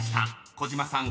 ［児嶋さん